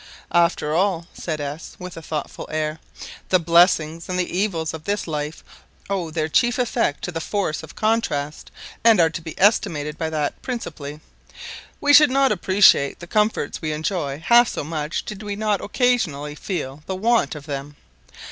"After all," said S , with a thoughtful air, "the blessings and the evils of this life owe their chief effect to the force of contrast, and are to be estimated by that principally. We should not appreciate the comforts we enjoy half so much did we not occasionally feel the want of them.